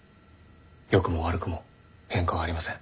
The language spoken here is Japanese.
良くも悪くも変化はありません。